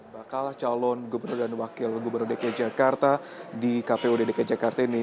bakal calon gubernur dan wakil gubernur dki jakarta di kpu dki jakarta ini